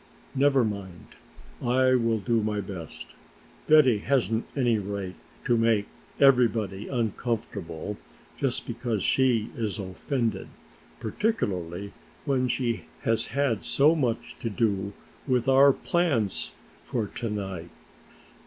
Never mind, I will do my best. Betty hasn't any right to make everybody uncomfortable just because she is offended, particularly when she has had so much to do with our plans for to night."